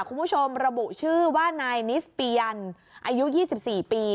คุณผู้ชมระบุชื่อว่านายนิสปียันอายุ๒๔ปี